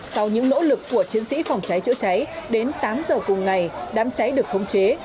sau những nỗ lực của chiến sĩ phòng cháy chữa cháy đến tám giờ cùng ngày đám cháy được khống chế